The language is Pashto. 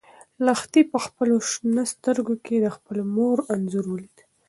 لښتې په خپلو شنه سترګو کې د خپلې مور انځور ولید.